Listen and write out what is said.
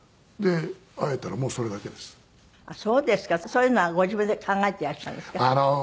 そういうのはご自分で考えていらっしゃるんですか？